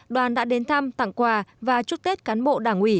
đoàn đã đến thăm tặng quà và chúc tết cán bộ đảng ủy